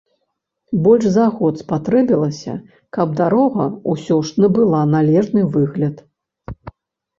Больш за год спатрэбілася, каб дарога ўсё ж набыла належны выгляд.